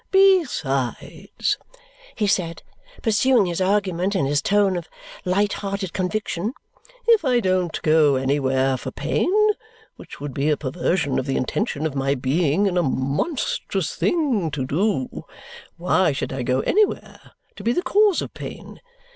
"Besides," he said, pursuing his argument in his tone of light hearted conviction, "if I don't go anywhere for pain which would be a perversion of the intention of my being, and a monstrous thing to do why should I go anywhere to be the cause of pain?